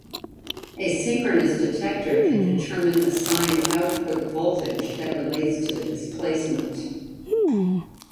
A synchronous detector can determine a signed output voltage that relates to the displacement.